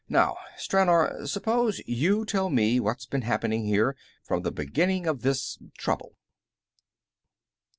Now, Stranor, suppose you tell me what's been happening, here, from the beginning of this trouble."